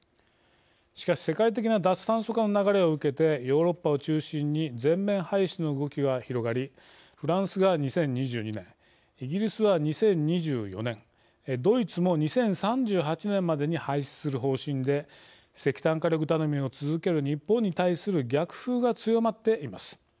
しかし世界的な脱炭素化の流れを受けてヨーロッパを中心に全面廃止の動きが広がりフランスが２０２２年イギリスは２０２４年ドイツも２０３８年までに廃止する方針で石炭火力頼みを続ける日本に対する逆風が強まっています。